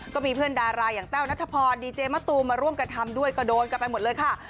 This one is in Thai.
ก็มีเพื่อนดาราอย่างแต้วนัทพรดีเจมะตูมมาร่วมกระทำด้วยก็โดนกันไปหมดเลยค่ะ